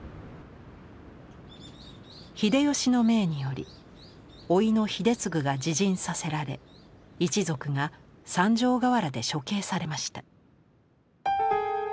秀吉の命によりおいの秀次が自刃させられ一族が三条河原で処刑されました。